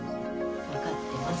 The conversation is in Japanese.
分かってます。